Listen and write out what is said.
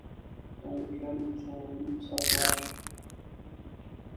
د امریکایانو په خیانتونو مې سر خلاص شو.